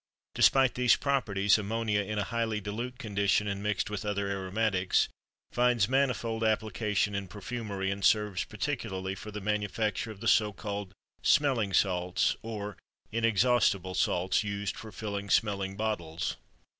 Despite these properties, ammonia, in a highly dilute condition and mixed with other aromatics, finds manifold application in perfumery and serves particularly for the manufacture of the so called smelling salts, or inexhaustible salts, used for filling smelling bottles.